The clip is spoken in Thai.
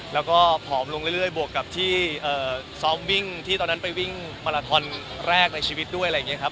แล้วก็ผอมลงเรื่อยบวกกับที่ซ้อมวิ่งที่ตอนนั้นไปวิ่งมาราทอนแรกในชีวิตด้วยอะไรอย่างนี้ครับ